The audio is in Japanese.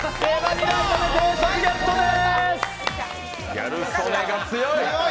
ギャル曽根が強い。